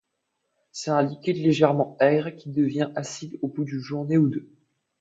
C'est un liquide légèrement aigre qui devient acide au bout d'une journée ou deux.